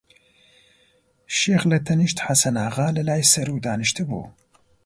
شێخ لەتەنیشت حەسەناغا لە لای سەروو دانیشتبوو